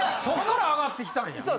そっから上がってきたんや。